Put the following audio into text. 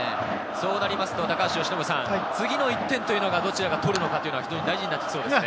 そうなりますと、次の１点というのが、どちらがとるのか大事になっていきそうですね。